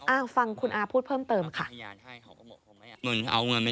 ฟังคุณอาพูดเพิ่มเติมค่ะ